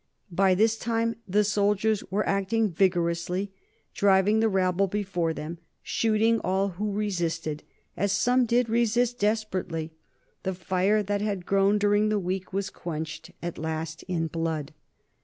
By this time the soldiers were acting vigorously, driving the rabble before them, shooting all who resisted, as some did resist desperately. The fire that had grown during the week was quenched at last in blood.